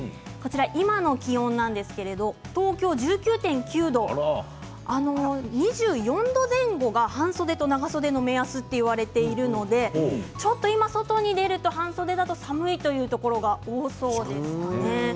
今の気温なんですけど東京は１９．９度２４度前後が半袖と長袖の目安といわれていますので今外に出る時は、半袖は寒いというところが多そうですね。